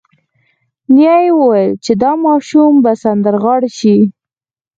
نیا یې وویل چې دا ماشوم به سندرغاړی شي